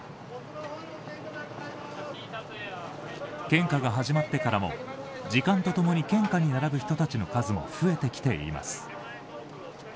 献花が始まってからも時間と共に献花に並ぶ人たちの数も増えてきています。